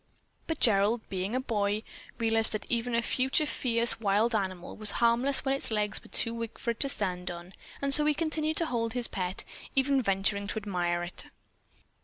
But Gerald, being a boy, realized that even a future fierce wild animal was harmless when its legs were too weak for it to stand on, and so he continued to hold his pet, even venturing to admire it.